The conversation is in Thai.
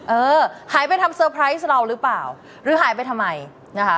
เออหายไปทำเซอร์ไพรส์เราหรือเปล่าหรือหายไปทำไมนะคะ